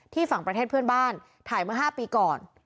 ฝั่งประเทศเพื่อนบ้านถ่ายเมื่อ๕ปีก่อน